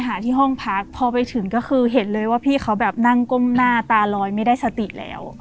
หาที่ห้องพักพอไปถึงก็คือเห็นเลยว่าพี่เขาแบบนั่งก้มหน้าตาลอยไม่ได้สติแล้ว